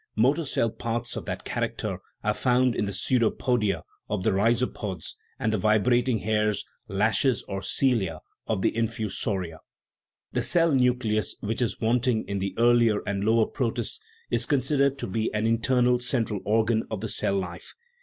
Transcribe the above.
Motor cell parts of that character are found in the pseudopodia of the rhizopods, and the vi brating hairs, lashes, or cilia of the infusoria. The cell nucleus, which is wanting in the earlier and lower protists, is considered to be an internal central organ of the cell life.